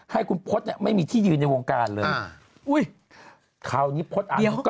ให้คุณพจน์ไม่มีที่ยืนในวงการเลย